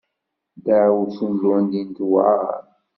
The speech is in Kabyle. Ddaɛwessu n lwaldin tewɛeṛ.